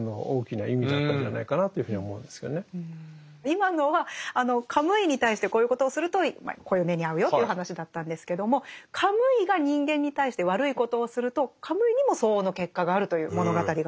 今のはカムイに対してこういうことをするとこういう目に遭うよという話だったんですけどもカムイが人間に対して悪いことをするとカムイにも相応の結果があるという物語があるんですね。へ。